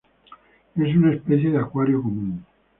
Es una especie de acuario común.